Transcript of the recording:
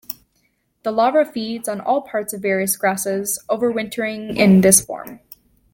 The larva feeds on all parts of various grasses, overwintering in this form.